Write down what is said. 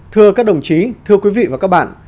thưa các đồng chí thưa quý vị và các bạn